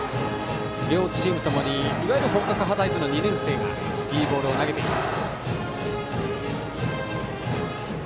両チームともに本格派タイプの２年生がいいボールを投げています。